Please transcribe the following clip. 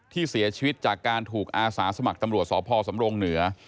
ที่เสียชีวิตจากการถูกอาสาสมัครตำรวจสพสำรงเหนือ